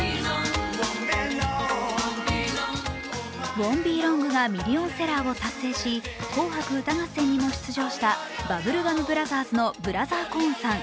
「ＷＯＮ’ＴＢＥＬＯＮＧ」がミリオンセラーを達成し「紅白歌合戦」にも出場したバブルガムブラザーズのブラザー・コーンさん